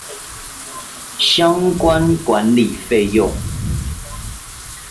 相關管理費用